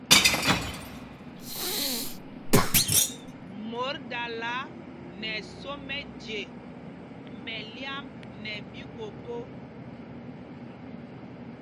Mot dala nɛ ɛsō mɛje mɛlyam nɛ ɓíkokō.